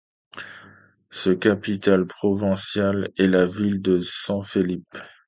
Sa capitale provinciale est la ville de San Felipe.